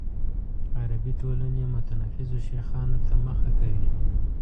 عربي ټولنې متنفذو شیخانو ته مخه کوي.